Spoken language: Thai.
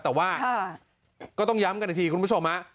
แต่ว่าก็ต้องย้ำกันอีกทีคุณผู้ชม